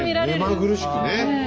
目まぐるしくね。